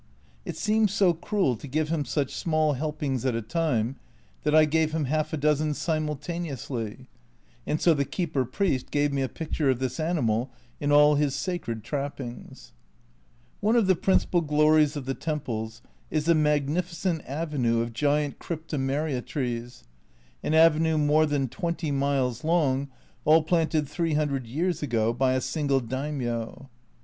It seems so cruel to give him such small helpings at a time that I gave him half a dozen simultaneously, and so the keeper priest gave me a picture of this animal in all his sacred trappings. One of the principal glories of the temples is the magnificent avenue of giant cryptomeria trees, an avenue more than 20 miles long, all planted 300 years ago by a single Daimio.